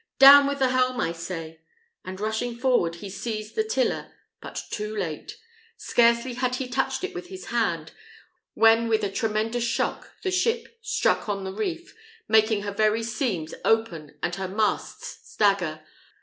Down with the helm, I say!" and rushing forward, he seized the tiller, but too late. Scarcely had he touched it with his hand, when with a tremendous shock the ship struck on the reef, making her very seams open and her masts stagger.